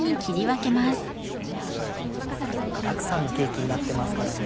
今日は具だくさんのケーキになってますからね。